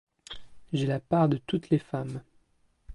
J’ai la part de toutes les femmes !